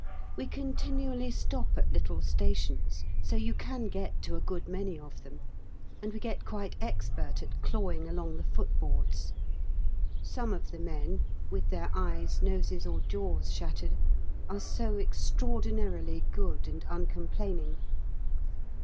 We continually stop at little stations, so you can get to a good many of them, and we get quite expert at clawing along the footboards; some of the men, with their eyes, noses, or jaws shattered, are so extraordinarily good and uncomplaining.